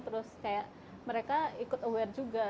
terus kayak mereka ikut aware juga